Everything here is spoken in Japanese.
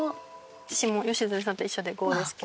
私も吉住さんと一緒で５ですけど。